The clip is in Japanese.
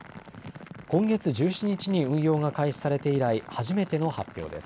今月１７日に運用が開始されて以来、初めての発表です。